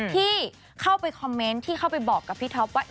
ที่เข้าไปคอมเมนต์ที่เข้าไปบอกกับพี่ท็อปว่า